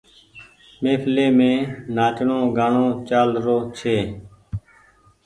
مهڦلي مين نآچڻو گآڻو چآل رو هيتو۔